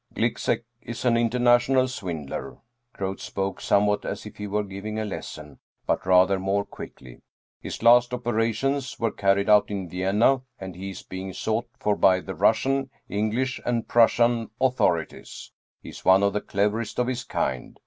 " Gliczek is an international swindler." Groth spoke somewhat as if he were giving a lesson, but rather more quickly. " His last operations were carried out in Vienna, and he is being sought for by the Russian, English, and Prussian authorities. He is one of the cleverest of his kind.